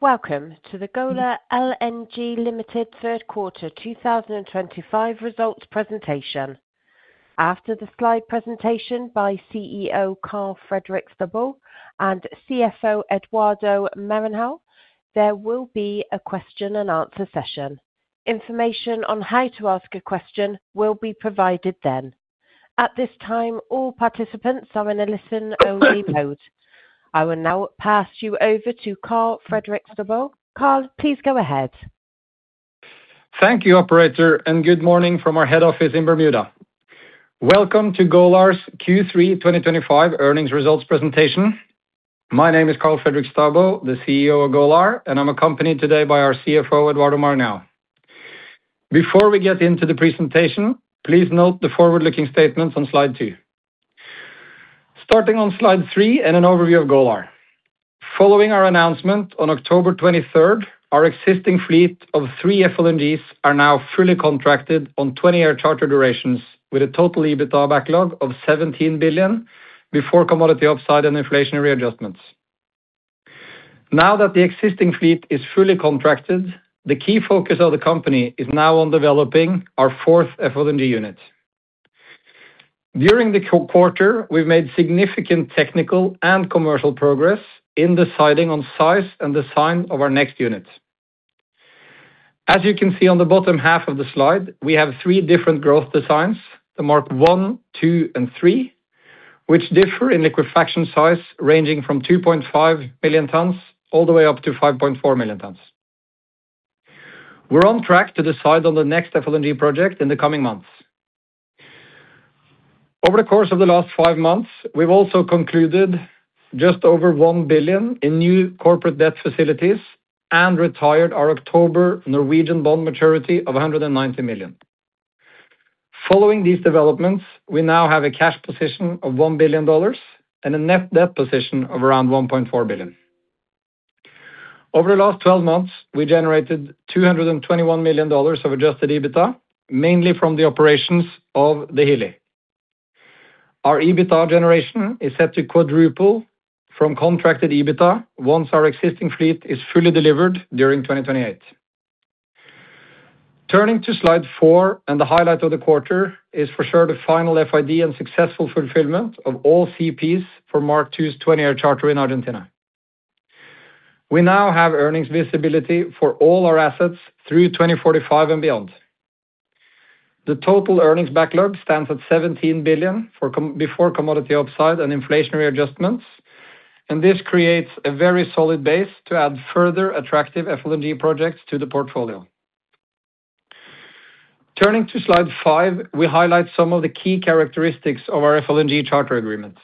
Welcome to the Golar LNG Limited Third Quarter 2025 results presentation. After the slide presentation by CEO Karl Fredrik Staubo and CFO Eduardo Maranhao, there will be a question and answer session. Information on how to ask a question will be provided then. At this time all participants are in a listen only mode. I will now pass you over to Karl Fredrik Staubo. Karl, please go ahead. Thank you operator and good morning from our head office in Bermuda. Welcome to Golar's Q3 2025 earnings results presentation. My name is karl Fredrik Staubo, the CEO of Golar and I'm accompanied today by our CFO Eduardo Maranhao. Before we get into the presentation, please note the forward looking statements on slide two, starting on slide three and an overview of Golar following our announcement on October 23rd. Our existing fleet of three FLNGs are now fully contracted on 20-year charter durations with a total EBITDA backlog of $17 billion before commodity, upside and inflationary adjustments. Now that the existing fleet is fully contracted, the key focus of the company is now on developing our fourth FLNG unit. During the quarter we've made significant technical and commercial progress in deciding on size and design of our next unit. As you can see on the bottom half of the slide, we have three different growth designs, the Mark I, II and III, which differ in liquefaction size ranging from 2.5 million tonnes all the way up to 5.4 million tonnes. We're on track to decide on the next FLNG project in the coming months. Over the course of the last five months we've also concluded just over $1 billion in new corporate debt facilities and retired our October Norwegian bond maturity of $190 million. Following these developments, we now have a cash position of $1 billion and a net debt position of around $1.4 billion. Over the last 12 months we generated $221 million of adjusted EBITDA, mainly from the operations of the Hilli. Our EBITDA generation is set to quadruple from contracted EBITDA once our existing fleet is fully delivered during 2028. Turning to slide four. The highlight of the quarter is for sure the final FID and successful fulfillment of all CPs for Mark II's 20-year charter in Argentina. We now have earnings visibility for all our assets through 2045 and beyond. The total earnings backlog stands at $17 billion before commodity upside and inflationary adjustments, and this creates a very solid base to add further attractive FLNG projects to the portfolio. Turning to Slide five, we highlight some of the key characteristics of our FLNG charter agreements.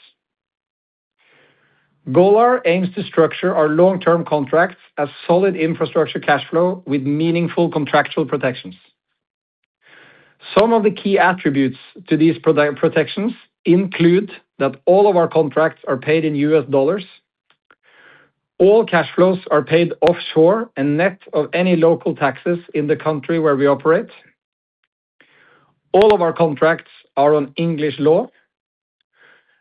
Golar aims to structure our long-term contracts as solid infrastructure cash flow with meaningful contractual protections. Some of the key attributes to these protections include that all of our contracts are paid in U.S. Dollars, all cash flows are paid offshore, and net of any local taxes in the country where we operate. All of our contracts are on English law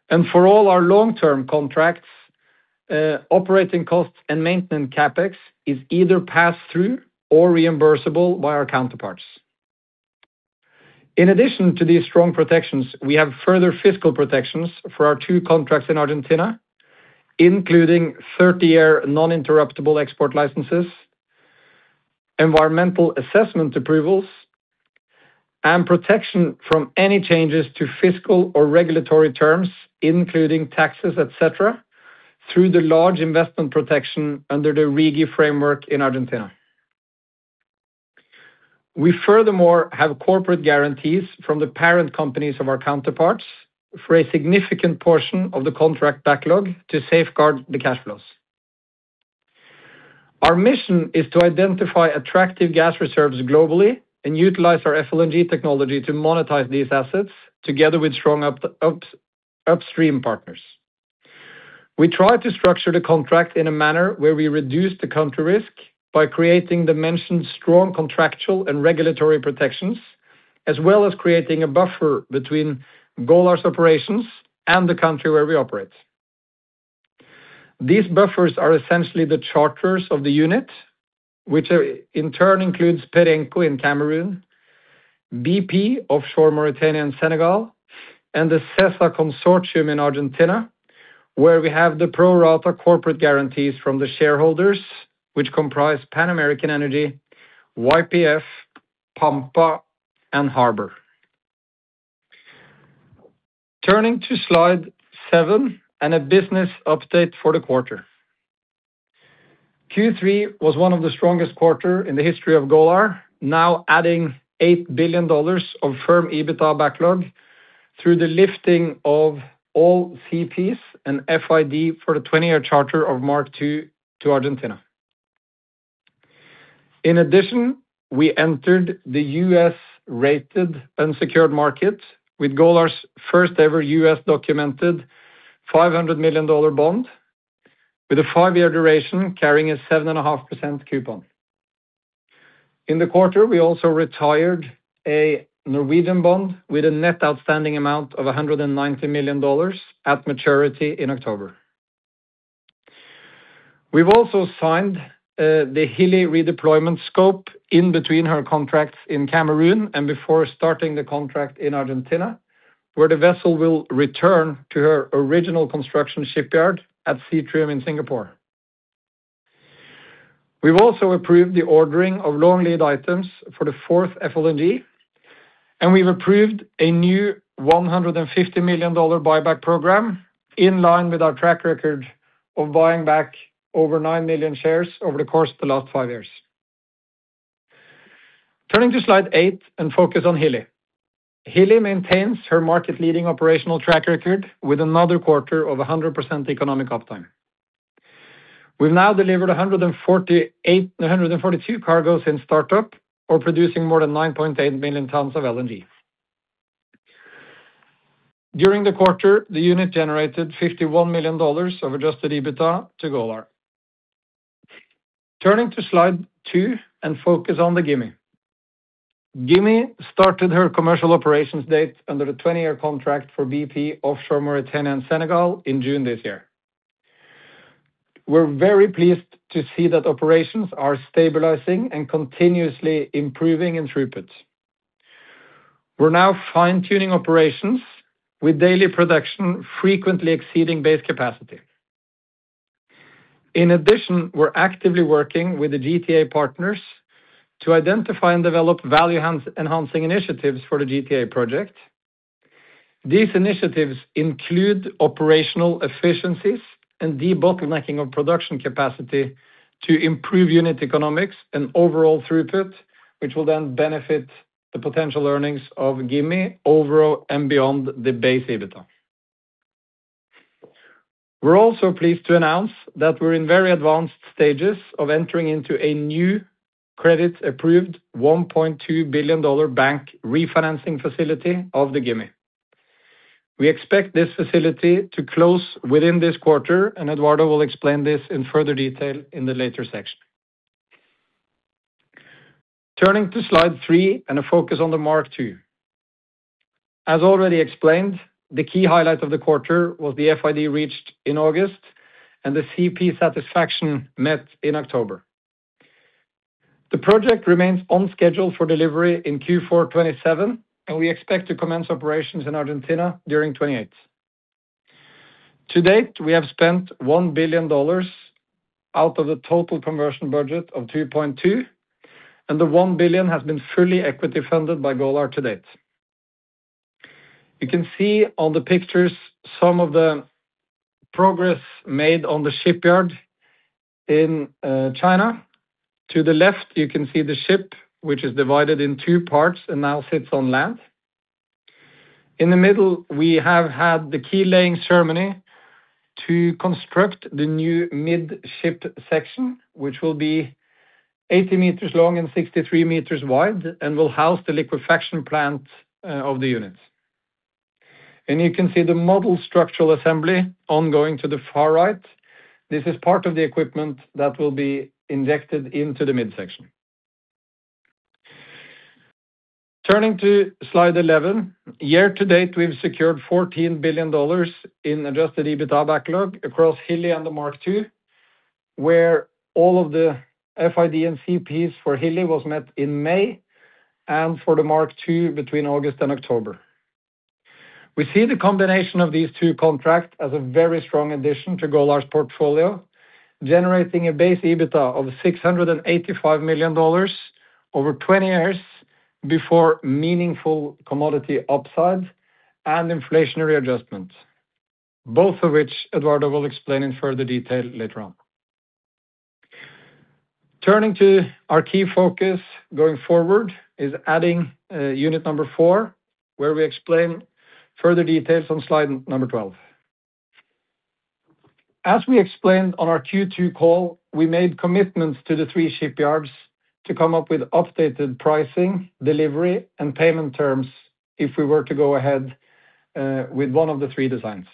and for all our long term contracts, operating costs and maintenance CapEx is either passed through or reimbursable by our counterparts. In addition to these strong protections, we have further fiscal protections for our two contracts in Argentina including 30-year non-interruptible export licenses, environmental assessment approvals, and protection from any changes to fiscal or regulatory terms including taxes, etc., through the large investment protection under the RIGI framework in Argentina. We furthermore have corporate guarantees from the parent companies of our counterparts for a significant portion of the contract backlog to safeguard the cash flows. Our mission is to identify attractive gas reserves globally and utilize our FLNG technology to monetize these assets. Together with strong upstream partners, we try to structure the contract in a manner where we reduce the country risk by creating the mentioned strong contractual and regulatory protections as well as creating a buffer between Golar's operations and the country where we operate. These buffers are essentially the charters of the unit which in turn includes Perenco in Cameroon, BP offshore Mauritania in Senegal, and the CESSA consortium in Argentina where we have the pro rata corporate guarantees from the shareholders which comprise Pan American Energy, YPF, Pampa, and Harbour. Turning to Slide seven and a business update for the quarter, Q3 was one of the strongest quarters in the history of Golar, now adding $8 billion of firm EBITDA backlog through the lifting of all CPs and FID for the 20-year charter of Mark II to Argentina. In addition, we entered the U.S. rated unsecured market with Golar's first ever US documented $500 million bond with a five year duration carrying a 7.5% coupon. In the quarter we also retired a Norwegian bond with a net outstanding amount of $190 million at maturity in October. We've also signed the Hilli redeployment scope in between her contracts in Cameroon and before starting the contract in Argentina where the vessel will return to her original construction shipyard at Seatrium in Singapore. We've also approved the ordering of long lead items for the 4th FLNG and we've approved a new $150 million buyback program in line with our track record of buying back over 9 million shares over the course of the last five years. Turning to slide 8 and focus on Hilli. Hilli maintains her market leading operational track record with another quarter of 100% economic uptime. We've now delivered 142 cargoes and started up or produced more than 9.8 million tons of LNG. During the quarter the unit generated $51 million of adjusted EBITDA to Golar. Turning to slide two and focus on the GIMI. GIMI started her commercial operations date under a 20 year contract for BP offshore Mauritania and Senegal in June this year. We're very pleased to see that operations are stabilizing and continuously improving in throughput. We're now fine tuning operations with daily production frequently exceeding base capacity. In addition, we're actively working with the GTA partners to identify and develop value enhancing initiatives for the GTA project. These initiatives include operational efficiencies and debottlenecking of production capacity to improve unit economics and overall throughput, which will then benefit the potential earnings of GIMI overall and beyond the base EBITDA. We're also pleased to announce that we're in very advanced stages of entering into a new credit-approved $1.2 billion bank refinancing facility of the GIMI. We expect this facility to close within this quarter, and Eduardo will explain this in further detail in the later section. Turning to Slide three and a focus on the Mark II. As already explained, the key highlight of the quarter was the FID reached in August and the CP satisfaction met in October. The project remains on schedule for delivery in Q4 2027, and we expect to commence operations in Argentina during 2028. To date we have spent $1 billion out of the total conversion budget of $2.2 billion and the $1 billion has been fully equity funded by Golar to date. You can see on the pictures some of the progress made on the shipyard in China. To the left you can see the ship which is divided in two parts and now sits on land. In the middle we have had the keel laying ceremony to construct the new midship section which will be 80 meters long and 63 meters wide and will house the liquefaction plant of the units. You can see the module structural assembly ongoing to the far right. This is part of the equipment that will be injected into the midsection. Turning to Slide 11, year to date we've secured $14 billion in adjusted EBITDA backlog across Hilli and the Mark II, where all of the FID and CPs for Hilli was met in May and for the Mark II between August and October. We see the combination of these two contracts as a very strong addition to Golar's portfolio, generating a base EBITDA of $685 million over 20 years before meaningful commodity upside and inflationary adjustments, both of which Eduardo will explain in further detail later on. Turning to our key focus going forward is adding unit number four, where we explain further details on Slide number 12. As we explained on our Q2 call, we made commitments to the three shipyards to come up with updated pricing, delivery, and payment terms if we were to go ahead with one of the three designs.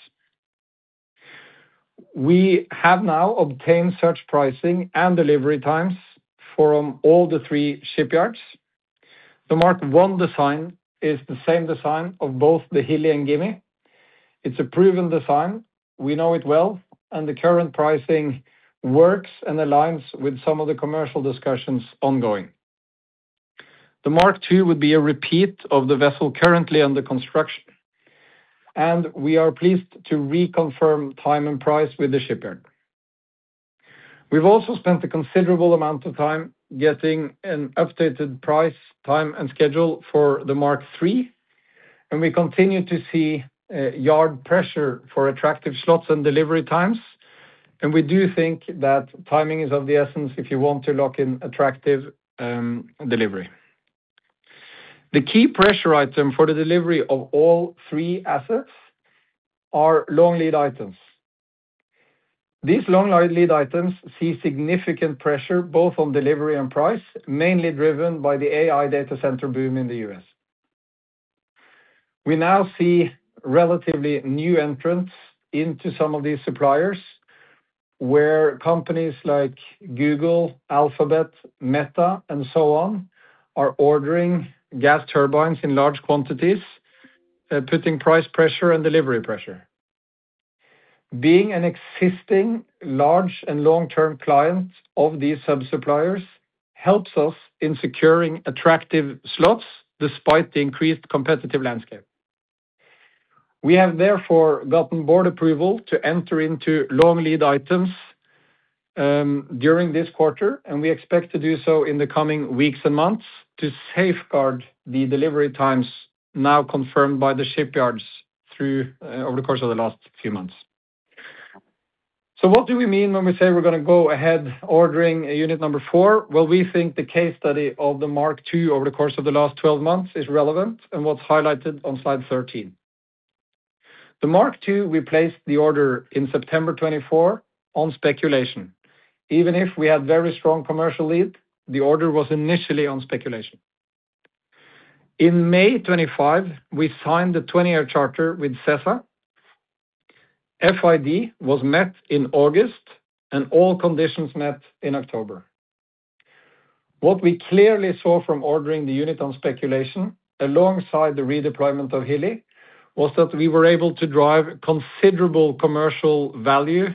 We have now obtained search pricing and delivery times from all the three shipyards. The Mark I design is the same design of both the Hilli and GIMI. It's a proven design, we know it well and the current pricing works and aligns with some of the commercial discussions ongoing. The Mark II would be a repeat of the vessel currently under construction and we are pleased to reconfirm time and price with the shipyard. We've also spent a considerable amount of time getting an updated price, time, and schedule for the Mark III, and we continue to see yard pressure for attractive slots and delivery times. We do think that timing is of the essence if you want to lock in attractive delivery. The key pressure item for the delivery of all three assets are long lead items. These long lead items see significant pressure both on delivery and price, mainly driven by the AI data center boom in the U.S. We now see relatively new entrants into some of these suppliers where companies like Google, Alphabet, Meta and so on are ordering gas turbines in large quantities, putting price pressure and delivery pressure. Being an existing large and long term client of these sub suppliers helps us in securing attractive slots despite the increased competitive landscape. We have therefore gotten board approval to enter into long lead items during this quarter and we expect to do so in the coming weeks and months to safeguard the delivery times now confirmed by the shipyards through over the course of the last few months. What do we mean when we say we're going to go ahead ordering unit number four? We think the case study of the Mark II over the course of the last 12 months is relevant and what is highlighted on Slide 13. The Mark II, we placed the order in September 24th on speculation even if we had very strong commercial lead. The order was initially on speculation. In May 25th, we signed the 20-year charter with CESSA. FID was met in August and all conditions met in October. What we clearly saw from ordering the unit on speculation alongside the redeployment of Hilli was that we were able to drive considerable commercial value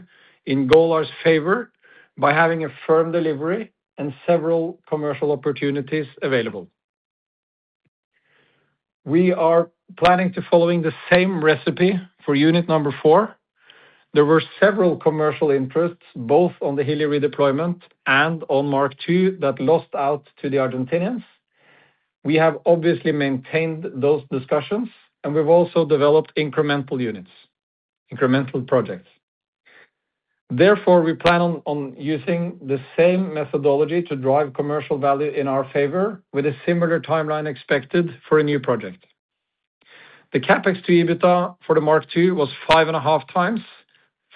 in Golar's favor by having a firm delivery and several commercial opportunities available. We are planning to follow the same recipe for unit number four. There were several commercial interests both on the Hilli redeployment and on Mark II that lost out to the Argentinians. We have obviously maintained those discussions and we've also developed incremental units, incremental projects. Therefore, we plan on using the same methodology to drive commercial value in our favor. With a similar timeline expected for a new project, the CapEx to EBITDA for the Mark II was 5.5x for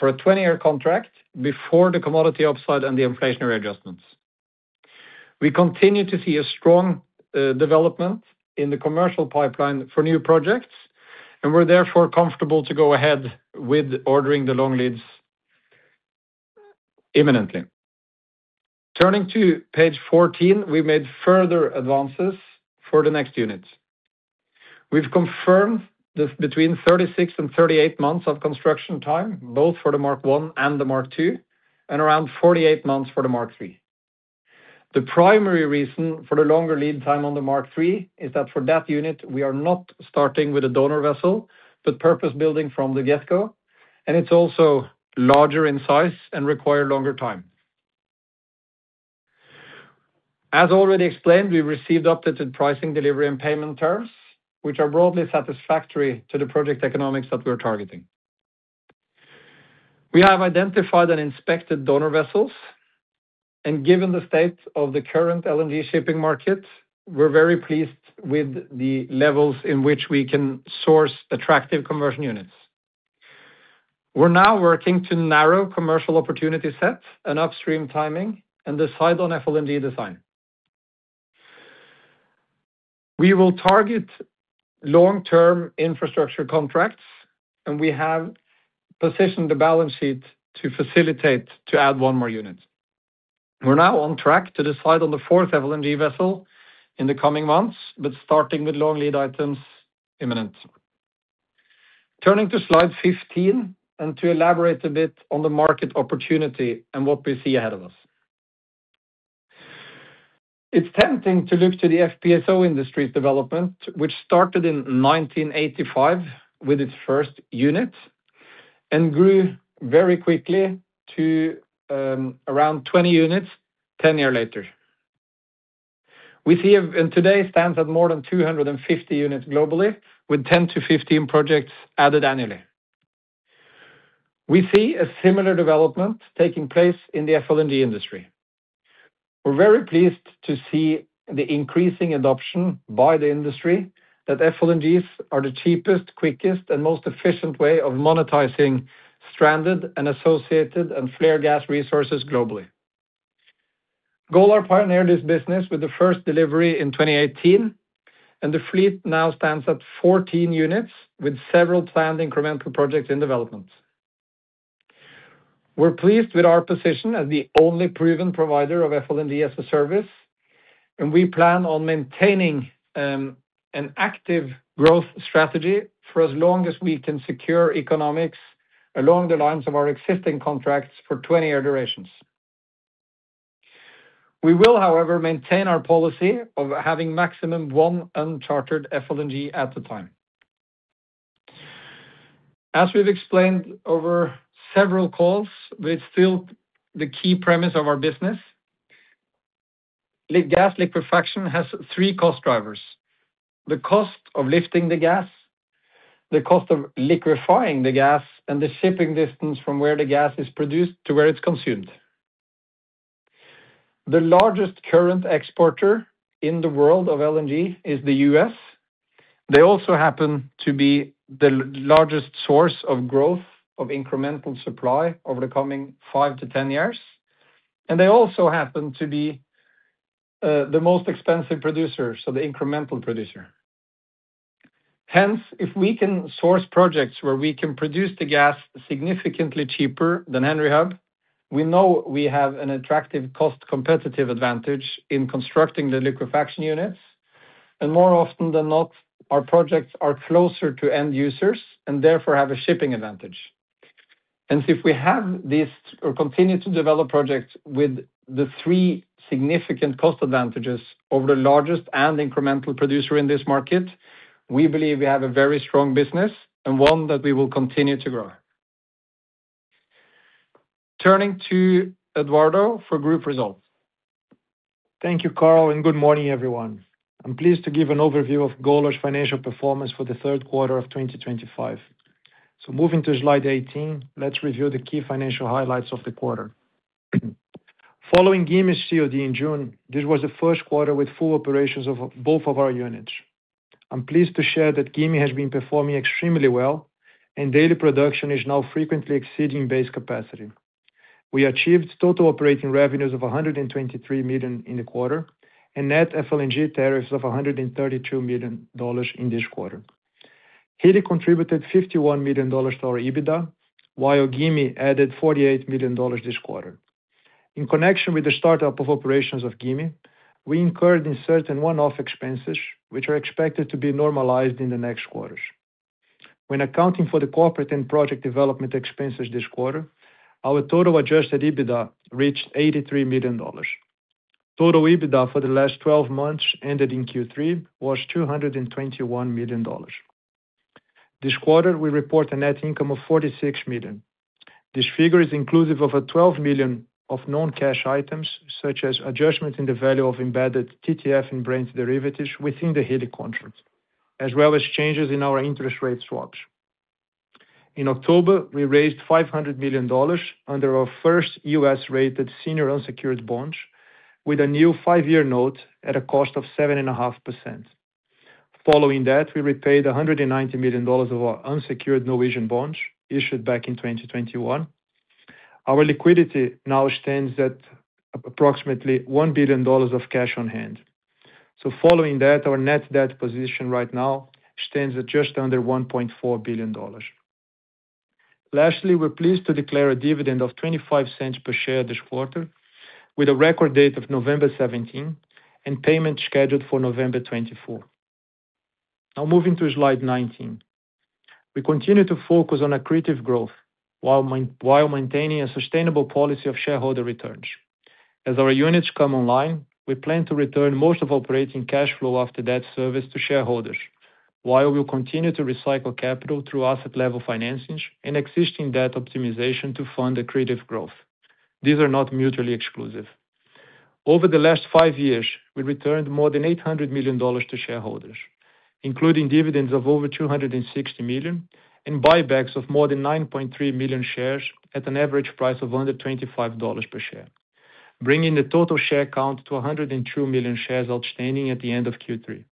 a 20 year contract before the commodity upside and the inflationary adjustments. We continue to see a strong development in the commercial pipeline for new projects and we're therefore comfortable to go ahead with ordering the long leads imminently. Turning to page 14, we made further advances for the next units. We've confirmed between 36months-38 months of construction time both for the Mark I and the Mark II and around 48 months for the Mark III. The primary reason for the longer lead time on the Mark III is that for that unit we are not starting with a donor vessel, but purpose building from the get go and it's also larger in size and require longer time. As already explained, we received updated pricing, delivery and payment terms which are broadly satisfactory to the project economics that we are targeting. We have identified and inspected donor vessels and given the state of the current LNG shipping markets, we're very pleased with the levels in which we can source attractive conversion units. We're now working to narrow commercial opportunity, set and upstream timing and decide on FLNG design. We will target long term infrastructure contracts and we have positioned the balance sheet to facilitate to add one more unit. We're now on track to decide on the fourth LNG vessel in the coming months. Starting with long lead items imminent, turning to slide 15 and to elaborate a bit on the market opportunity and what we see ahead of us. It's tempting to look to the FPSO industry's development which started in 1985 with its first unit and grew very quickly to around 20 units ten years later. We see and today stands at more than 250 units globally with 10 projects-15 projects added annually. We see a similar development taking place in the FLNG industry. We're very pleased to see the increasing adoption by the industry that FLNGs are the cheapest, quickest and most efficient way of monetizing stranded and associated and flare gas resources globally. Golar pioneered this business with the first delivery in 2018 and the fleet now stands at 14 units with several planned incremental projects in development. We're pleased with our position as the only proven provider of FLNG as a service, and we plan on maintaining an active growth strategy for as long as we can secure economics along the lines of our existing contracts for 20 year durations. We will however maintain our policy of having maximum one unchartered FLNG at a time. As we've explained over several calls, but it's still the key premise of our business. Gas liquefaction has three costs: the cost of lifting the gas, the cost of liquefying the gas, and the shipping distance from where the gas is produced to where it's consumed. The largest current exporter in the world of LNG is the U.S.,they also happen to be the largest source of growth of incremental supply over the coming five to 10 years and they also happen to be the most expensive producer, so the incremental producer. Hence, if we can source projects where we can produce the gas significantly cheaper than Henry Hub, we know we have an attractive cost competitive advantage in constructing the liquefaction units and more often than not our projects are closer to end users and therefore have a shipping advantage. If we have this or continue to develop projects with the three significant cost advantages over the largest and incremental producer in this market, we believe we have a very strong business and one that we will continue to grow. Turning to Eduardo for group results. Thank you Karl and good morning everyone. I'm pleased to give an overview of Golar's financial performance for the third quarter of 2025. Moving to Slide 18, let's review the key financial highlights of the quarter following GIMI COD in June. This was the first quarter with full operations of both of our units. I'm pleased to share that GIMI has been performing extremely well and daily production is now frequently exceeding base capacity. We achieved total operating revenues of $123 million in the quarter and net FLNG tariffs of $132 million in this quarter. Hilli contributed $51 million to our EBITDA while GIMI added $48 million this quarter. In connection with the startup of operations of GIMI, we incurred certain one-off expenses which are expected to be normalized in the next quarters. When accounting for the corporate and project development expenses this quarter our total adjusted EBITDA reached $83 million. Total EBITDA for the last 12 months ended in Q3 was $221 million. This quarter we report a net income of $46 million. This figure is inclusive of $12 million of non-cash items such as adjustments in the value of embedded TTF in derivatives within the Hilli contract as well as changes in our interest rate swaps. In October we raised $500 million under our first U.S. rated senior unsecured bond with a new five year note at a cost of 7.5%. Following that we repaid $190 million of our unsecured Norwegian bond issued back in 2021. Our liquidity now stands at approximately $1 billion of cash on hand, so following that our net debt position right now stands at just under $1.4 billion. Lastly, we're pleased to declare a dividend of $0.25 per share this quarter with a record date of November 17th and payment scheduled for November 24th. Now moving to Slide 19, we continue to focus on accretive growth while maintaining a sustainable policy of shareholder returns. As our units come online, we plan to return most of operating cash flow after debt service to shareholders. While we'll continue to recycle capital through asset level financings and existing debt optimization to fund accretive growth, these are not mutually exclusive. Over the last five years we returned more than $800 million to shareholders, including dividends of over $260 million and buybacks of more than 9.3 million shares at an average price of under $25 per share, bringing the total share count to 102 million shares outstanding at the end of Q3.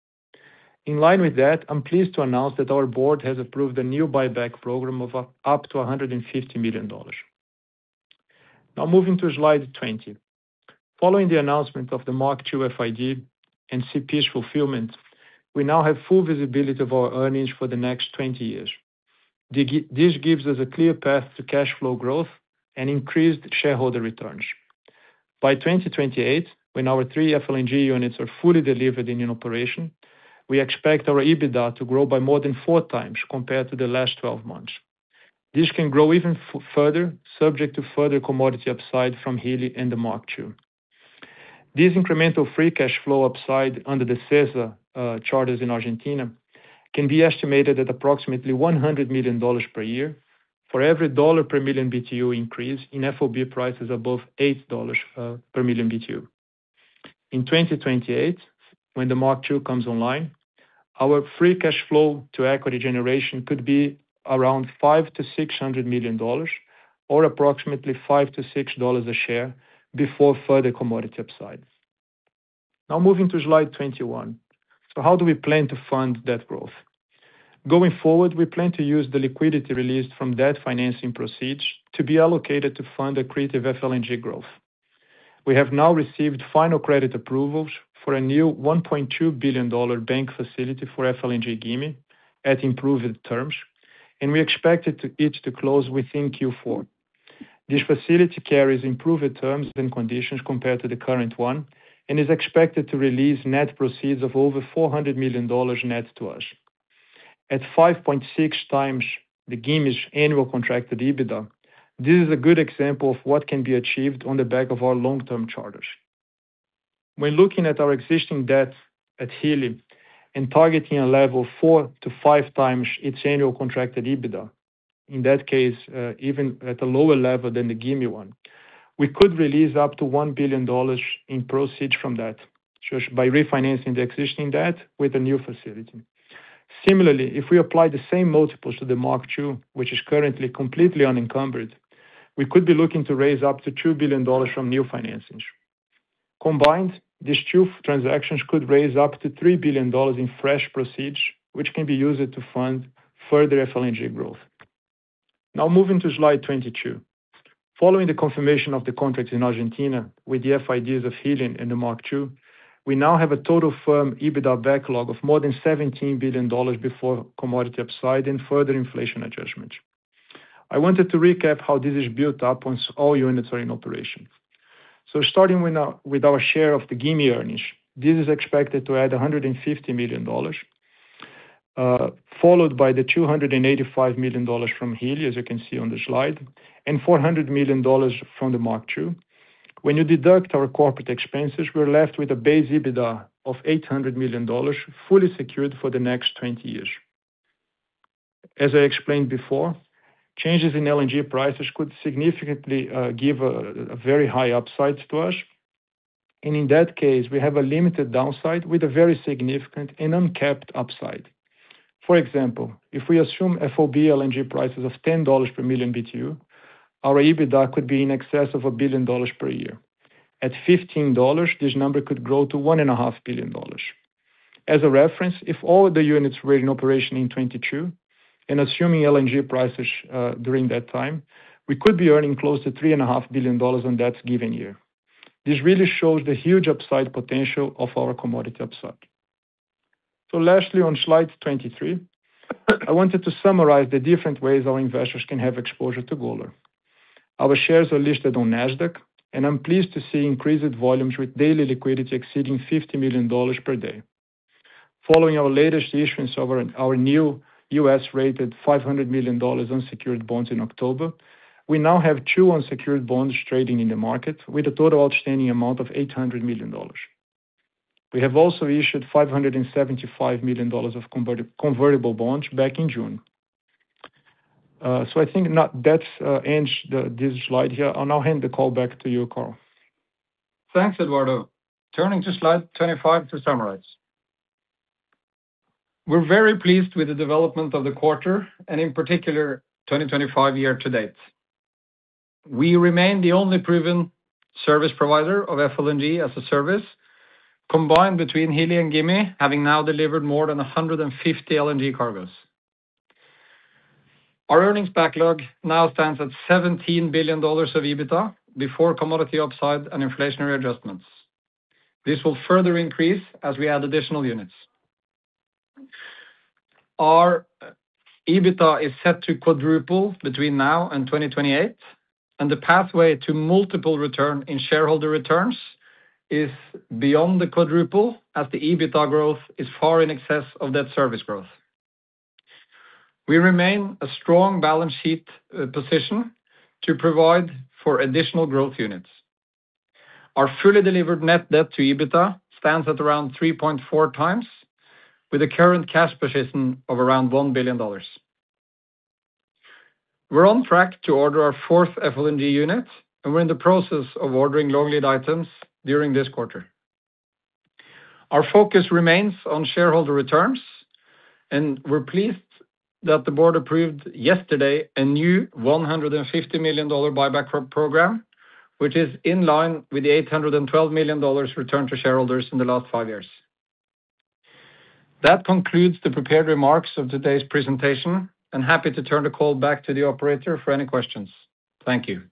In line with that, I'm pleased to announce that our board has approved a new buyback program of up to $150 million. Now moving to Slide 20. Following the announcement of the Mark II FID and CP's fulfillment, we now have full visibility of our earnings for the next 20 years. This gives us a clear path to cash flow growth and increased shareholder returns. By 2028, when our three FLNG units are fully delivered and in operation, we expect our EBITDA to grow by more than four times compared to the last 12 months. This can grow even further subject to further commodity upside from Hilli and the Mark II. This incremental free cash flow upside under the CESSA charters in Argentina can be estimated at approximately $100 million per year for every dollar per million BTU increase in FOB prices above $8 per million BTU. In 2028 when the Mark II comes online, our free cash flow to equity generation could be around $500 million-$600 million or approximately $5-$6 a share before further commodity upside. Now moving to slide 21. How do we plan to fund debt growth. Going forward we plan to use the liquidity released from debt financing proceeds to be allocated to fund accretive FLNG growth. We have now received final credit approvals for a new $1.2 billion bank facility for FLNG GIMI at improved terms and we expect it to close within Q4. This facility carries improved terms and conditions compared to the current one and is expected to release net proceeds of over $400 million net to us at 5.6x the GIMI's annual contracted EBITDA. This is a good example of what can be achieved on the back of our long-term charters. When looking at our existing debt at Hilli and targeting a level 4-5x its annual contracted EBITDA. In that case, even at a lower level than the GIMI one, we could release up to $1 billion in proceeds from that by refinancing the existing debt with a new facility. Similarly, if we apply the same multiples to the Mark II, which is currently completely unencumbered, we could be looking to raise up to $2 billion from new financings. Combined, these two transactions could raise up to $3 billion in fresh proceeds which can be used to fund further FLNG growth. Now moving to Slide 22, following the confirmation of the contract in Argentina with the FIDs of Hilli and the Mark II, we now have a total firm EBITDA backlog of more than $17 billion before commodity upside and further inflation adjustment. I wanted to recap how this is built up once all units are in operation. Starting with our share of the GIMI earnings, this is expected to add $150 million, followed by the $285 million from Hilli, as you can see on the slide, and $400 million from the Mark II. When you deduct our corporate expenses, we're left with a base EBITDA of $800 million fully secured for the next 20 years. As I explained before, changes in LNG prices could significantly give a very high upside to us, and in that case we have a limited downside with a very significant and uncapped upside. For example, if we assume FOB LNG prices of $10 per million BTU, our EBITDA could be in excess of $1 billion per year. At $15, this number could grow to $1.5 billion. As a reference, if all the units were in operation in 2022 and assuming LNG prices during that time, we could be earning close to $3.5 billion on that given year. This really shows the huge upside potential of our commodity upside. Lastly, on slide 23, I wanted to summarize the different ways our investors can have exposure to Golar. Our shares are listed on NASDAQ and I'm pleased to see increased volumes with daily liquidity exceeding $50 million per day. Following our latest issuance of our new U.S. rated $500 million unsecured bonds in October, we now have two unsecured bonds trading in the market with a total outstanding amount of $800 million. We have also issued $575 million of convertible bonds back in June. I think that ends this slide here. I'll now hand the call back to you, Karl. Thanks, Eduardo. Turning to Slide 25 to summarize, we're very pleased with the development of the quarter and in particular 2025 year to date, we remain the only proven service provider of FLNG as a service combined between Hilli and GIMI. Having now delivered more than 150 LNG cargoes, our earnings backlog now stands at $17 billion of EBITDA before commodity upside and inflationary adjustments. This will further increase as we add additional units. Our EBITDA is set to quadruple between now and 2028 and the pathway to multiple return in shareholder returns is beyond the quadruple as the EBITDA growth is far in excess of that service growth. We remain a strong balance sheet position to provide for additional growth units. Our fully delivered net debt to EBITDA stands at around 3.4x with a current cash position of around $1 billion. We're on track to order our fourth FLNG unit and we're in the process of ordering long lead items during this quarter. Our focus remains on shareholder returns and we're pleased that the board approved yesterday a new $150 million buyback program which is in line with the $812 million returned to shareholders in the last five years. That concludes the prepared remarks of today's presentation and happy to turn the call back to the operator for any questions. Thank you.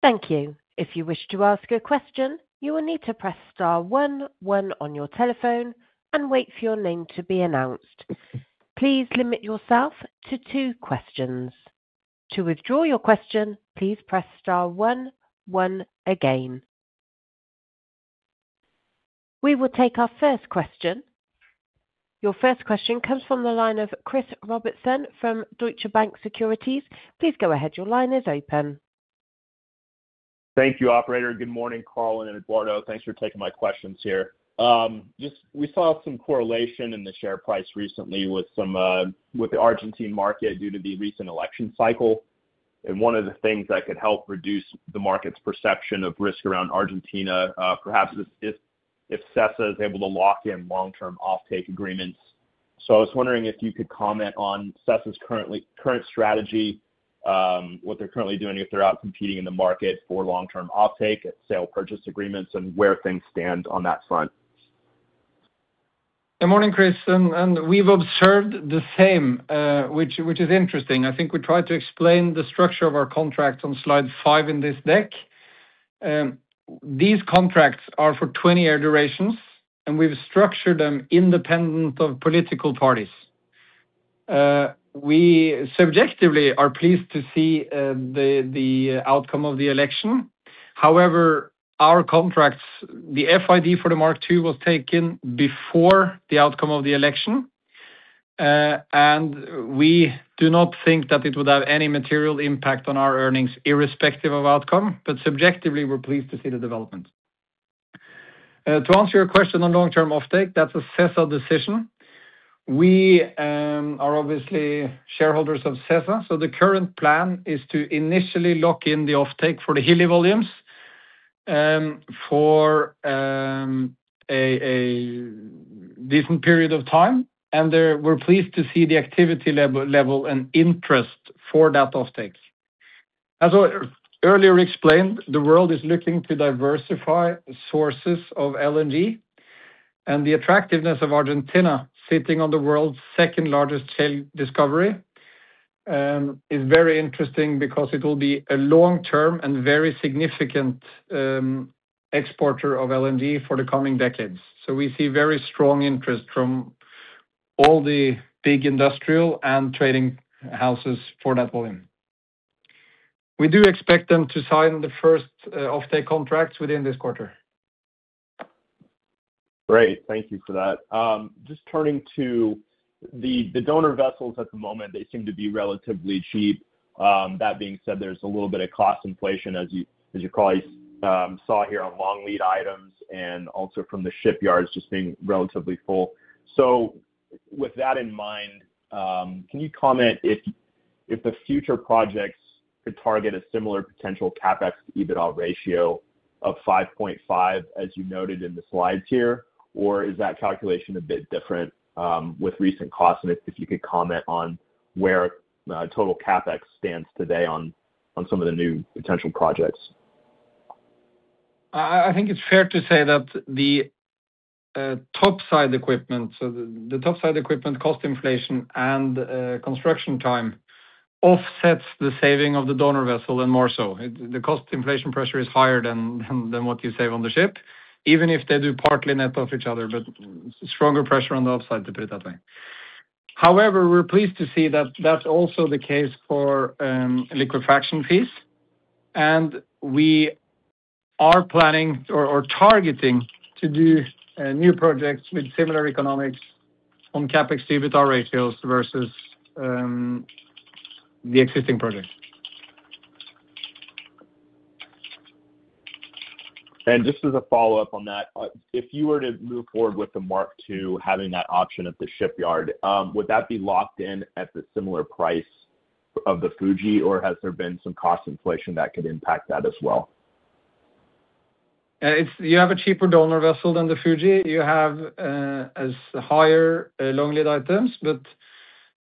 Thank you. If you wish to ask a question, you will need to press star one one on your telephone and wait for your name to be announced. Please limit yourself to two questions. To withdraw your question, please press star one one again, we will take our first question. Your first question comes from the line of Christopher Warren Robertson from Deutsche Bank. Please go ahead. Your line is open. Thank you, operator. Good morning, Carl and Eduardo. Thanks for taking my questions here. We saw some correlation in the share price recently with the Argentine market due to the recent election cycle and one of the things that could help reduce the market's perception of risk around Argentina, perhaps if CESSA is able to lock in long term offtake agreements. I was wondering if you could comment on CESSA's current strategy, what they're currently doing, if they're out competing in the market for long term offtake at sale purchase agreements, and where things stand on that front. Good morning Chris. We have observed the same, which is interesting. I think we tried to explain the structure of our contract on slide five in this deck. These contracts are for 20-year durations and we have structured them independent of political parties. We subjectively are pleased to see the outcome of the election. However, our contracts, the FID for the Mark II was taken before the outcome of the election and we do not think that it would have any material impact on our earnings, irrespective of outcome. We are pleased to see the development. To answer your question on long-term offtake, that is a CESSA decision. We are obviously shareholders of CESSA, so the current plan is to initially lock in the offtake for the Hilli volumes for a decent period of time and we are pleased to see the activity level and interest for that offtake. As earlier explained, the world is looking to diversify sources of LNG and the attractiveness of Argentina sitting on the world's second largest shale discovery is very interesting because it will be a long term and very significant exporter of LNG for the coming decades. We see very strong interest from all the big industrial and trading houses for that volume. We do expect them to sign the first offtake contracts within this quarter. Great, thank you for that. Just turning to the donor vessels at the moment, they seem to be relatively cheap. That being said, there's a little bit of cost inflation as you probably saw here on long lead items and also from the shipyards just being relatively full. With that in mind, can you comment if the future projects could target a similar potential CapEx-EBITDA ratio of 5.5 as you noted in the slides here? Or is that calculation a bit different with recent costs? If you could comment on where total CapEx stands today on some of the new potential projects? I think it's fair to say that the topside equipment, so the topside equipment cost inflation and construction time offsets the saving of the donor vessel and more so the cost inflation pressure is higher than what you save on the ship, even if they do partly net off each other, but stronger pressure on the upside to put it that way. However, we're pleased to see that that's also the case for liquefaction fees. We are planning or targeting to do new projects with similar economics on CapEx-EBITDA ratios versus the existing project. Just as a follow up on that, if you were to move forward with the Mark II having that option at the shipyard, would that be locked in at the similar price of the Hilli or has there been some cost inflation that could impact that as well? You have a cheaper donor vessel than the Fuji, you have as higher long lead items.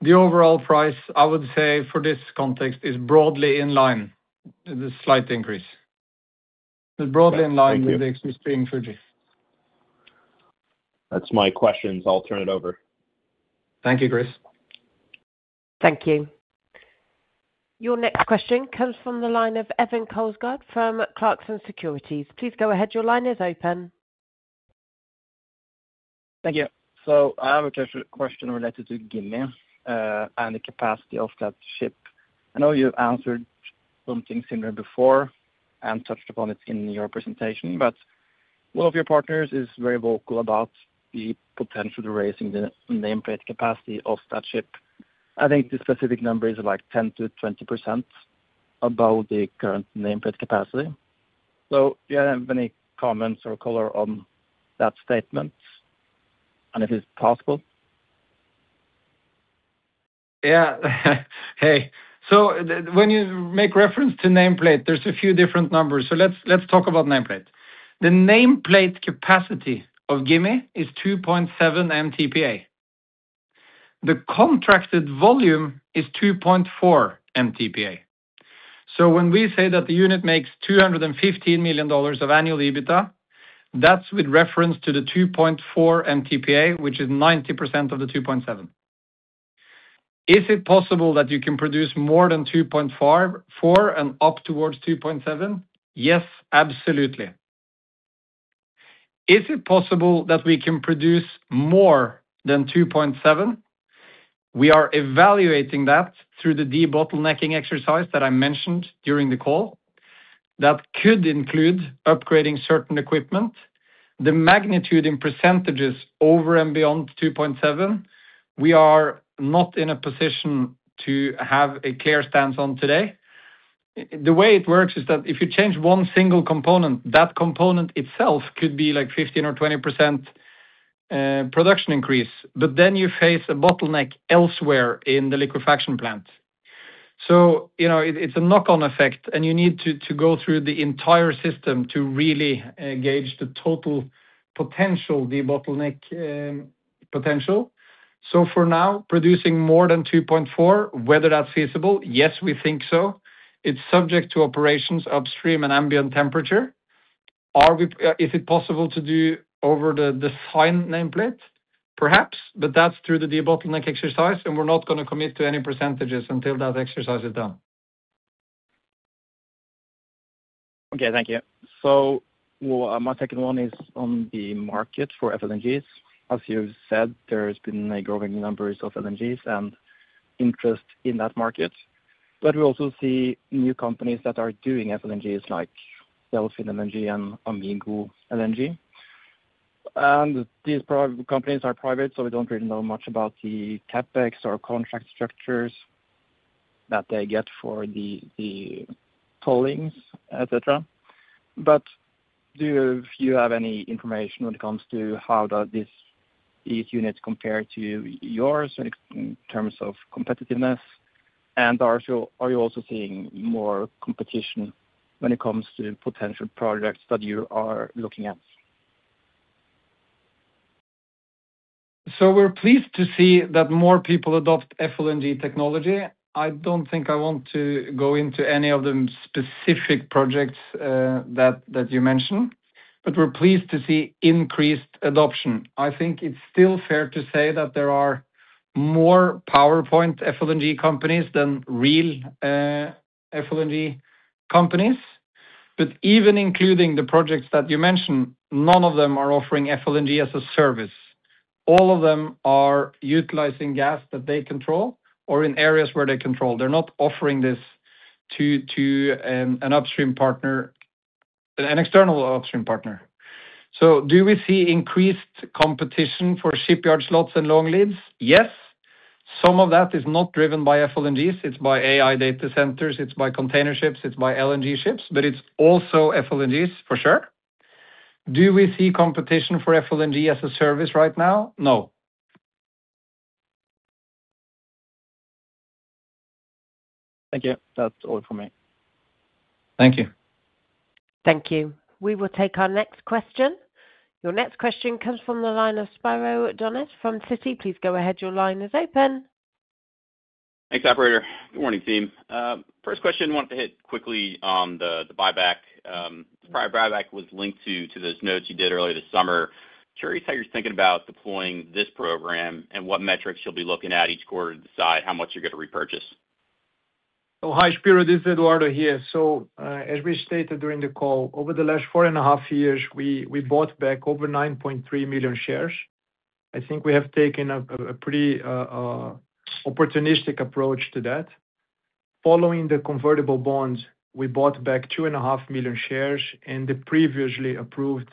The overall price I would say for this context is broadly in line. The slight increase broadly in line with exsisting Fuji. That's my questions. I'll turn it over. Thank you, Chris. Thank you. Your next question comes from the line of Evan Colesgard from Clarksons Securities. Please go ahead. Your line is open. Thank you. I have a question related to Gimi and the capacity of that ship. I know you answered something similar before and touched upon it in your presentation, but one of your partners is very vocal about the potential to raise the nameplate capacity of that ship. I think the specific number is like 10%-20% above the current nameplate capacity. Do you have any comments or color on that statement? And if it's possible. Yeah. Hey, when you make reference to nameplate, there are a few different numbers. Let's talk about nameplate. The nameplate capacity of Gimi is 2.7 MTPA. The contracted volume is 2.4 MTPA. When we say that the unit makes $215 million of annual EBITDA, that's with reference to the 2.4 MTPA, which is 90% of the 2.7. Is it possible that you can produce more than 2.4 and up towards 2.7? Yes, absolutely. Is it possible that we can produce more than 2.7? We are evaluating that through the debottlenecking exercise that I mentioned during the call. That could include upgrading certain equipment. The magnitude in percentages over and beyond 2.7. We are not in a position to have a clear stance on today. The way it works is that if you change one single component, that component itself could be like 15% or 20% production increase. Then you face a bottleneck elsewhere in the liquefaction plant. You know, it's a knock on effect and you need to go through the entire system to really gauge the total potential, the bottleneck potential. For now producing more than 2.4, whether that's feasible? Yes, we think so. It's subject to operations upstream and ambient temperature. Is it possible to do over the design nameplate? Perhaps, but that's through the debottleneck exercise and we're not going to commit to any percentages until that exercise is done. Okay, thank you. My second one is on the market for FLNGs. As you said, there's been a growing number of LNGs and interest in that market. We also see new companies that are doing FLNGs like Delfin LNG and Amigo LNG. These private companies are private, so we don't really know much about the CapEx or contract structures that they get for the tollings, etc. Do you have any information when it comes to how does this, these units compared to yours in terms of competitiveness? Are you also seeing more competition when it comes to potential projects that you are looking at? We're pleased to see that more people adopt FLNG technology. I do not think I want to go into any of the specific projects that you mentioned, but we're pleased to see increased adoption. I think it's still fair to say that there are more PowerPoint FLNG companies than real FLNG companies. Even including the projects that you mentioned, none of them are offering FLNG as a service. All of them are utilizing gas that they control or in areas where they control. They're not offering this to an upstream partner, an external upstream partner. Do we see increased competition for shipyard slots and long leads? Yes. Some of that is not driven by FLNGs. It's by AI data centers, it's by container ships, it's by LNG ships, but it's also FLNGs for sure. Do we see competition for FLNG as a service right now? No. Thank you. That's all for me. Thank you. Thank you. We will take our next question. Your next question comes from the line of Spiro Dounis from Citi. Please go ahead. Your line is open. Thanks, operator. Good morning, team. First question, wanted to hit quickly on the buyback. The prior buyback was linked to those notes you did earlier this summer. Curious how you're thinking about deploying this program and what metrics you'll be looking at each quarter to decide how much you're going to repurchase. Oh, hi, Spiro, this is Eduardo here. As we stated during the call, over the last four and a half years we bought back over 9.3 million shares. I think we have taken a pretty opportunistic approach to that. Following the convertible bonds, we bought back 2.5 million shares and the previously approved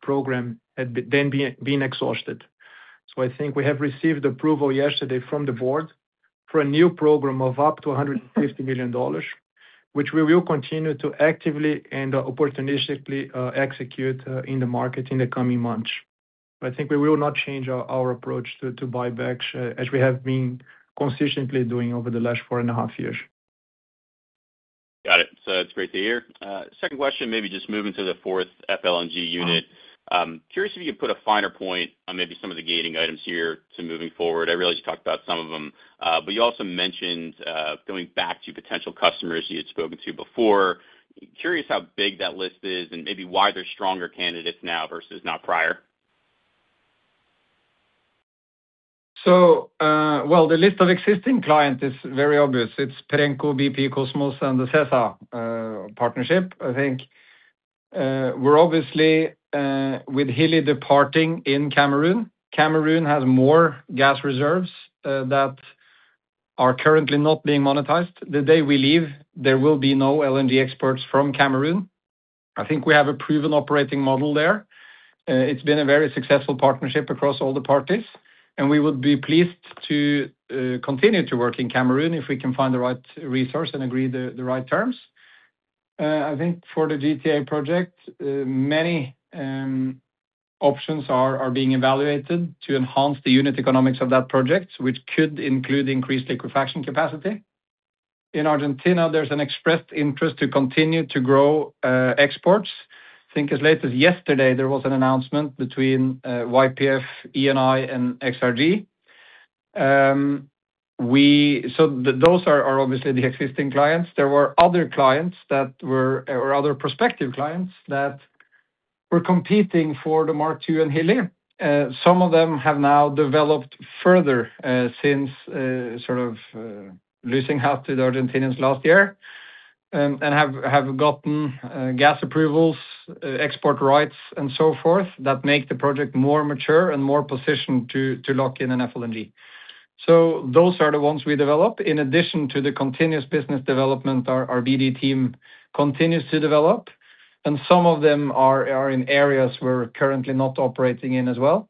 program had then been exhausted. I think we have received approval yesterday from the board for a new program of up to $150 million, which we will continue to actively and opportunistically execute in the market in the coming months. I think we will not change our approach to buybacks as we have been consistently doing over the last four and a half years. Got it. It's great to hear. Second question. Maybe just moving to the fourth FLNG unit. Curious if you could put a finer point on maybe some of the items here to moving forward. I realize you talked about some of them, but you also mentioned going back to potential customers you had spoken to before. Curious how big that list is and maybe why they're stronger candidates now versus not prior. The list of existing clients is very obvious. It's Perenco, BP, Kosmos, and the CESSA partnership. I think we're obviously with Hilli departing in Cameroon. Cameroon has more gas reserves that are currently not being monetized. The day we leave, there will be no LNG exports from Cameroon. I think we have a proven operating model there. It's been a very successful partnership across all the parties and we would be pleased to continue to work in Cameroon if we can find the right resource and agree the right terms. I think for the GTA project, many options are being evaluated to enhance the unit economics of that project, which could include increased liquefaction capacity. In Argentina there's an expressed interest to continue to grow exports. I think as late as yesterday there was an announcement between YPF, ENI, and XRG. Those are obviously the existing clients. There were other clients that were, or other prospective clients that were, competing for the Mark II and Hilli. Some of them have now developed further since sort of losing half to the Argentinians last year and have gotten gas approvals, export rights, and so forth that make the project more mature and more positioned to lock in an FLNG. Those are the ones we develop in addition to the continuous business development our BD team continues to develop, and some of them are in areas we're currently not operating in as well.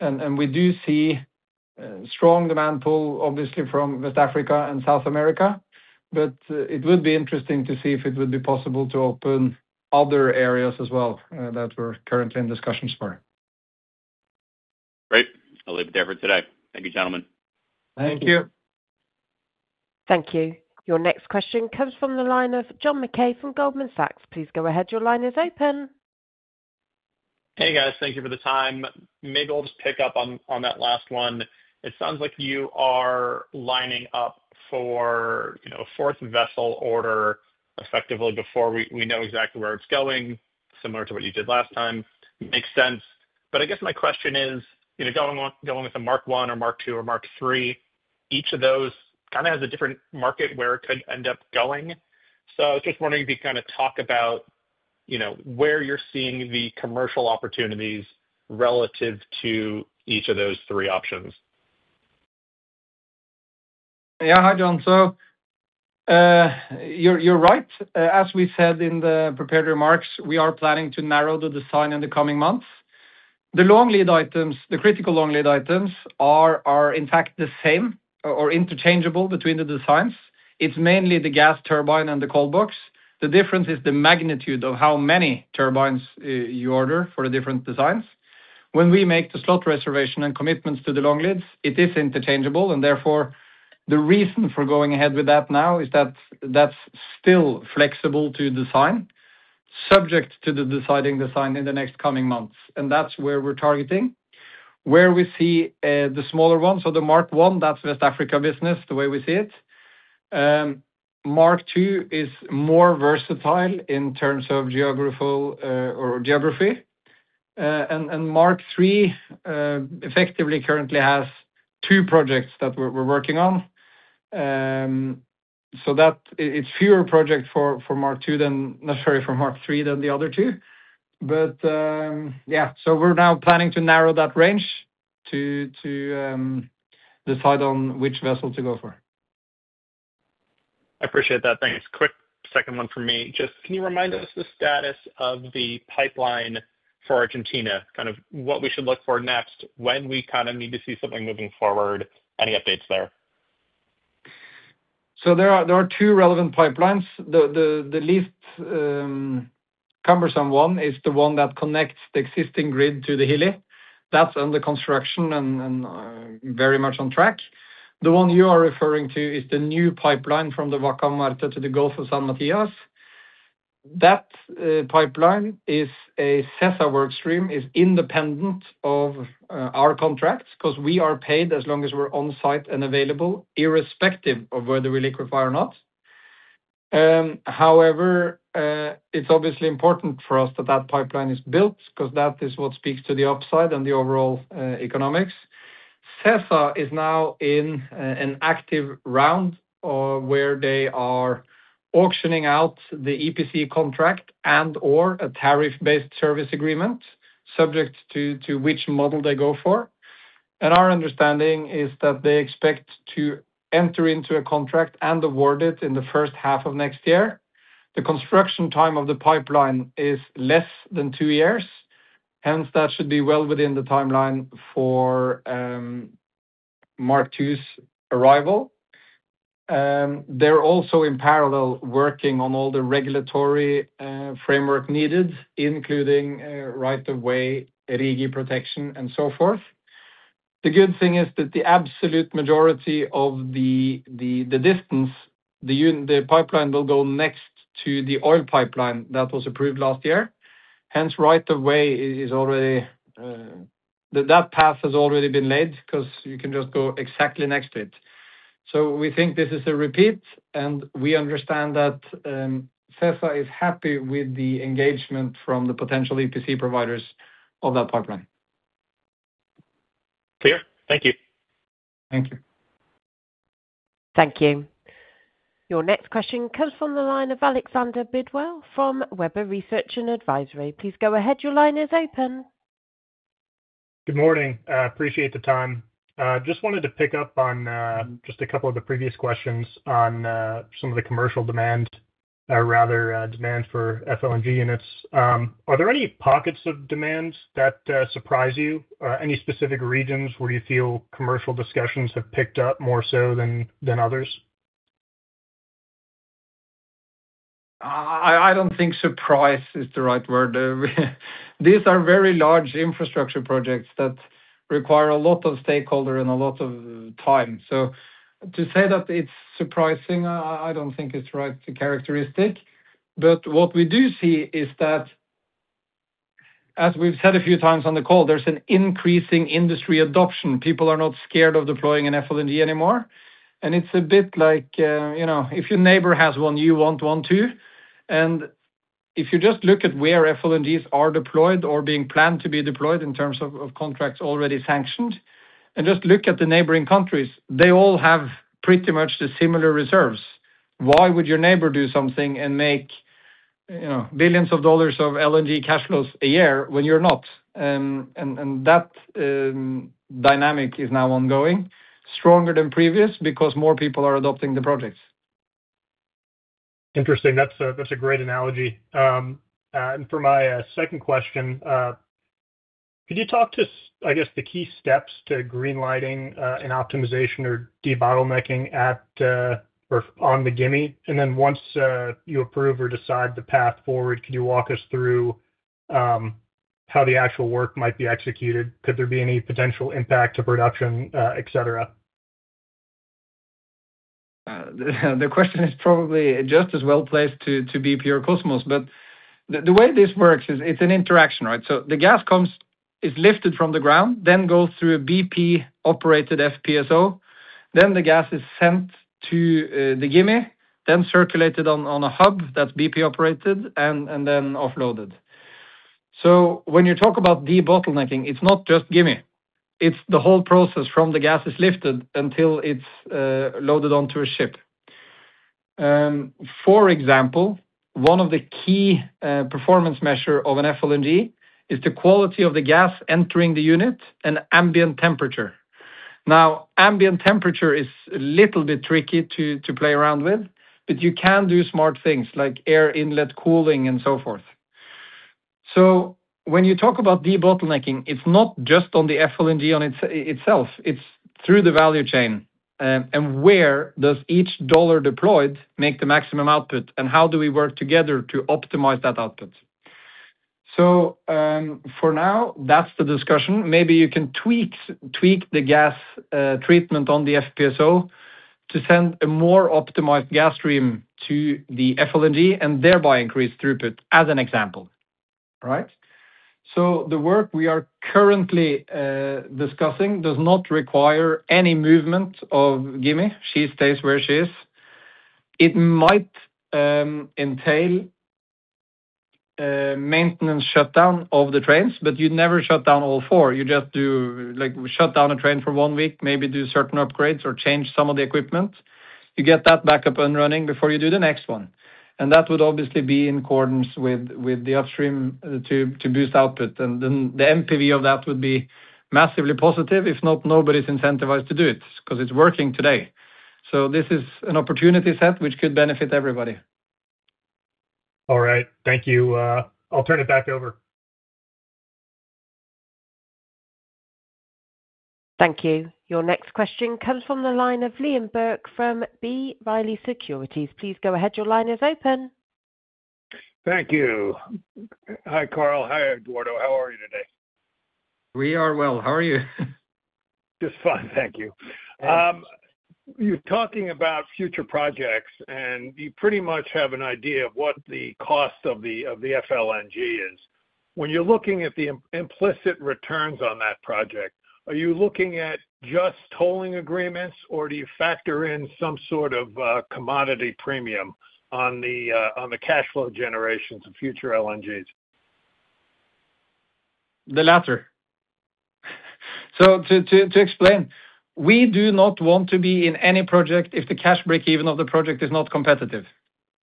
We do see strong demand pull, obviously from West Africa and South America. It would be interesting to see if it would be possible to open other areas as well that we're currently in discussions for. Great. I'll leave it there for today. Thank you, gentlemen. Thank you. Thank you Thank you. Your next question comes from the line of John McKay from Goldman Sachs. Please go ahead. Your line is open. Hey guys, thank you for the time. Maybe I'll just pick up on that last one. It sounds like you are lining up. For fourth vessel order effectively before we know exactly where it's going, similar to what you did last time makes sense. I guess my question is, you. Know, going with a Mark I, or Mark II, or Mark III, each of those kind of has a different market. Where it could end up going. Just wondering if you kind of. Talk about, you know, where you're seeing the commercial opportunities relative to each of those three options. Yeah. Hi, John. You are right. As we said in the prepared remarks, we are planning to narrow the design in the coming months. The long lead items, the critical long lead items, are in fact the same or interchangeable between the designs. It is mainly the gas turbine and the cold box. The difference is the magnitude of how many turbines you order for the different designs. When we make the slot reservation and commitments to the long leads, it is interchangeable and therefore the reason for going ahead with that now is that that is still flexible to design, subject to the deciding design in the next coming months. That is where we are targeting, where we see the smaller one. The Mark I, that is West Africa business. The way we see it, Mark II is more versatile in terms of geography or geography. Mark III effectively currently has two projects that we're working on so that it's fewer projects for Mark II than necessary for Mark III than the other two. Yeah, we're now planning to narrow that range to decide on which vessel to go for. I appreciate that. Thanks. Quick second one for me. Just can you remind us the status of the pipeline for Argentina? Kind of what we should look for. Next, when we kind of need to see something moving forward. Any updates there? There are two relevant pipelines. The least cumbersome one is the one that connects the existing grid to the Hilli that is under construction and very much on track. The one you are referring to is the new pipeline from the Vaca Muerta to the Gulf of San Matias. That pipeline is a CESSA workstream, is independent of our contracts because we are paid as long as we are on site and available, irrespective of whether we liquefy or not. However, it is obviously important for us that that pipeline is built because that is what speaks to the upside and the overall economics. CESSA is now in an active round where they are auctioning out the EPC contract and or a tariff based service agreement subject to which model they go for. Our understanding is that they expect to enter into a contract and award it in the first half of next year. The construction time of the pipeline is less than two years, hence that should be well within the timeline for Mark II's arrival. They are also in parallel working on all the regulatory framework needed, including right of way protection and so forth. The good thing is that the absolute majority of the distance, the pipeline will go next to the oil pipeline that was approved last year, hence right of way is already, that path has already been laid because you can just go exactly next to it. We think this is a repeat and we understand that CESSA is happy with the engagement from the potential EPC providers of that pipeline. Clear. Thank you. Thank you. Thank you. Your next question comes from the line of Alexander Bidwell from Weber Research and Advisory. Please go ahead. Your line is open. Good morning. Appreciate the time. Just wanted to pick up on just a couple of the previous questions on some of the commercial demand, or rather demand for FLNG units. Are there any pockets of demand that surprise you or any specific regions? Where do you feel commercial discussions have picked up more so than others? I do not think surprise is the right word. These are very large infrastructure projects that require a lot of stakeholder and a lot of time. To say that it is surprising, I do not think it is the right characteristic. What we do see is that as we have said a few times on the call, there is an increasing industry adoption. People are not scared of deploying an FLNG anymore. It is a bit like, you know, if your neighbor has one, you want one too. If you just look at where FLNGs are deployed or being planned to be deployed in terms of contracts already sanctioned and just look at the neighboring countries, they all have pretty much the similar reserves. Why would your neighbor do something and make, you know, billions of dollars of LNG cash flows a year when you're not? That dynamic is now ongoing, stronger than previous because more people are adopting the projects. Interesting, that's a great analogy. For my second question, could you talk to, I guess, the key steps to green lighting and optimization or debottlenecking at or on the GIMI. Once you approve or decide the path forward, can you walk us through how the actual work might be executed? Could there be any potential impact to production, etc.? The question is probably just as well placed to be pure Kosmos. The way this works is it's an interaction, right? The gas comes, is lifted from the ground, then goes through a BP-operated FPSO. The gas is sent to the GIMI, then circulated on a hub that's BP-operated and then offloaded. When you talk about debottlenecking, it's not just GIMI, it's the whole process from the gas is lifted until it's loaded onto a ship. For example, one of the key performance measures of an FLNG is the quality of the gas entering the unit and ambient temperature. Now, ambient temperature is a little bit tricky to play around with, but you can do smart things like air inlet cooling and so forth. When you talk about debottlenecking, it's not just on the FLNG itself, it's through the value chain. Where does each dollar deployed make the maximum output and how do we work together to optimize that output? For now, that's the discussion. Maybe you can tweak the gas treatment on the FPSO to send a more optimized gas stream to the FLNG and thereby increase throughput, as an example, right? The work we are currently discussing does not require any movement of GIMI. She stays where she is. It might entail maintenance shutdown of the trains, but you never shut down all four. You just do like shut down a train for one week, maybe do certain upgrades or change some of the equipment. You get that back up and running before you do the next one. That would obviously be in accordance with the upstream to boost output and then the NPV of that would be massively positive. If not, nobody's incentivized to do it because it's working today. This is an opportunity set which could benefit everybody. All right, thank you. I'll turn it back over. Thank you. Your next question comes from the line of Liam Burke from B. Riley Securities. Please go ahead. Your line is open. Thank you. Hi, Carl. Hi, Eduardo. How are you today? We are well. How are you? Just fine, thank you. You're talking about future projects and you pretty much have an idea of what the cost of the FLNG is. When you're looking at the implicit returns on that project. Are you looking at just tolling agreements or do you factor in some sort of commodity premium on the cash flow generations of future LNGs? The latter. To explain, we do not want to be in any project if the cash break even of the project is not competitive.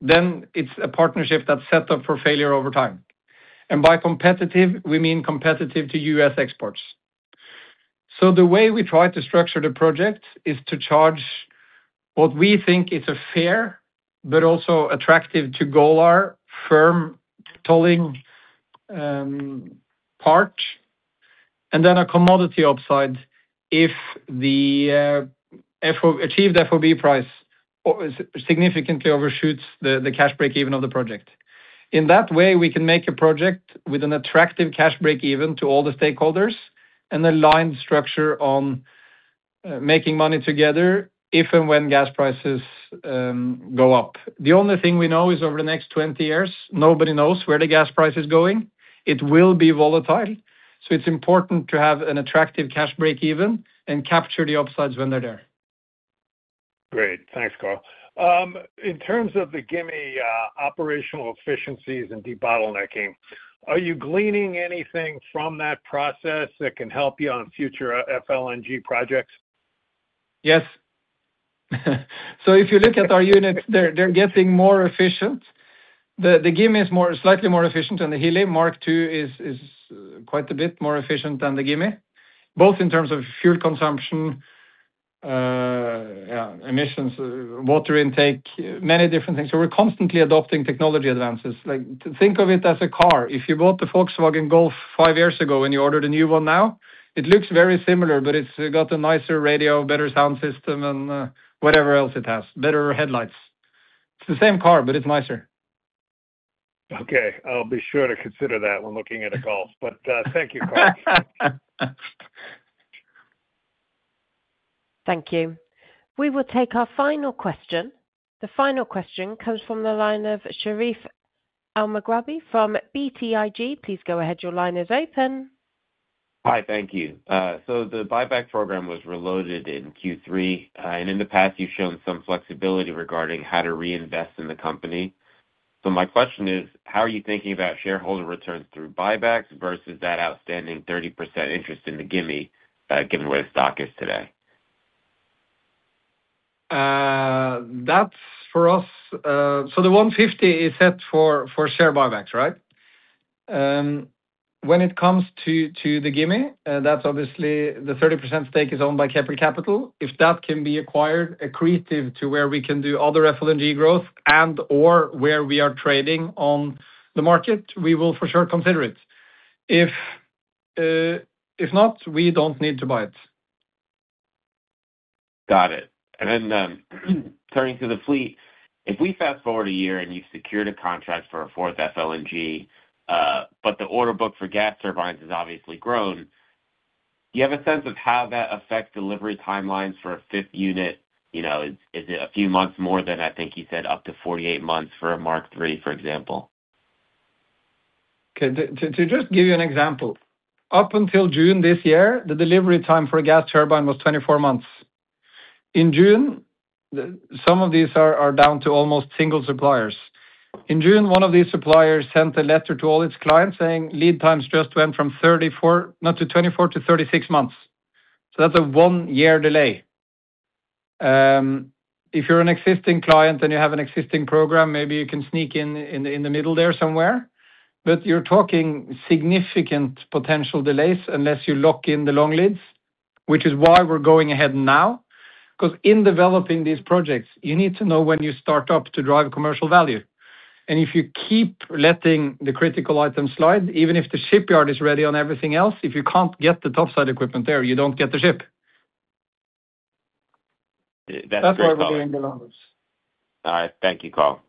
It is a partnership that is set up for failure over time. By competitive, we mean competitive to U.S. exports. The way we try to structure the project is to charge what we think is a fair but also attractive to Golar firm tolling part, and then a commodity upside if the achieved FOB price significantly overshoots the cash breakeven of the project. In that way, we can make a project with an attractive cash breakeven to all the stakeholders and an aligned structure on making money together if and when gas prices go up. The only thing we know is over the next 20 years, nobody knows where the gas price is going. It will be volatile. It's important to have an attractive cash breakeven and capture the upsides when they're there. Great. Thanks, Karl. In terms of the GIMI operational efficiencies and debottlenecking, are you gleaning anything from that process that can help you on future FLNG projects? Yes. If you look at our units, they're getting more efficient. The GIMI is slightly more efficient and the Hilli Mark II is quite a bit more efficient than the GIMI, both in terms of fuel consumption, emissions, water intake, many different things. We're constantly adopting technology advances like, think of it as a car. If you bought the Volkswagen Golf five years ago and you ordered a new one now, it looks very similar, but it's got a nicer radio, better sound system and whatever else. It has better headlights. It's the same car, but it's nicer. Okay, I'll be sure to consider that when looking at a car, but thank you, Karl. Thank you. We will take our final question. The final question comes from the line of Sherif Elmaghrabi from BTIG. Please go ahead. Your line is open. Hi. Thank you. The buyback program was reloaded in Q3 and in the past you've shown some flexibility regarding how to reinvest in the company. My question is, how are you thinking about shareholder returns through buybacks versus that outstanding 30% interest in the GIMI? Given where the stock is today. Thats for us. So the $150 million is set for share buybacks. Right. When it comes to the GIMI, that is obviously the 30% stake is owned by Keppel Capital. If that can be acquired accretive to where we can do other FLNG growth and or where we are trading on the market, we will for sure consider it. If not, we do not need to buy it. Got it. And then turning to the fleet, if we fast forward a year and you've secured a contract for a fourth FLNG but the order book for gas turbines has obviously grown. Do you have a sense of how that affects delivery timelines for a fifth unit? Is it a few months more than I think he said? Up to 48 months for a Mark III, for example. Okay, to just give you an example, up until June this year, the delivery time for a gas turbine was 24 months. In June some of these are down to almost single suppliers. In June, one of these suppliers sent a letter to all its clients saying lead times just went from 24 months-36 months. So that's a one year delay. If you're an existing client and you have an existing program, maybe you can sneak in the middle there somewhere. But you're talking significant potential delays unless you lock in the long leads. Which is why we're going ahead now. Because in developing these projects, you need to know when you start up to drive commercial value. If you keep letting the critical items slide, even if the shipyard is ready on everything else, if you can't get the topside equipment there, you don't get the ship. All right, thank you, Karl.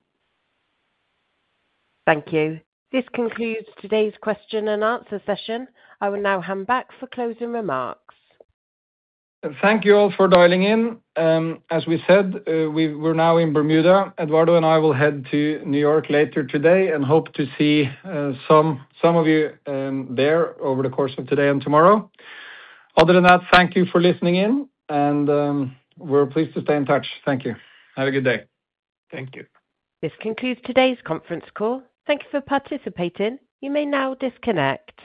Thank you. This concludes today's question and answer session. I will now hand back for closing remarks. Thank you all for dialing in. As we said, we're now in Bermuda. Eduardo and I will head to New York later today and hope to see some of you there over the course of today and tomorrow. Other than that, thank you for listening in and we're pleased to stay in touch. Thank you. Have a good day. Thank you. This concludes today's conference call. Thank you for participating. You may now disconnect.